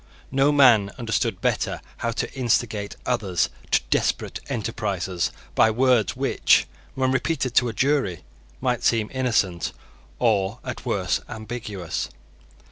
No man understood better how to instigate others to desperate enterprises by words which, when repeated to a jury, might seem innocent, or, at worst, ambiguous.